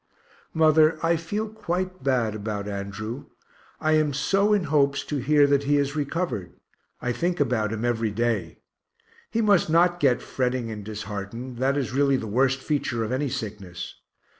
Mother, I feel quite bad about Andrew I am so in hopes to hear that he has recovered I think about him every day. He must not get fretting and disheartened that is really the worst feature of any sickness.